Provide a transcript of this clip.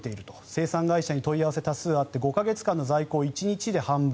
生産会社に問い合わせ、多数あって５か月間の在庫を１日で販売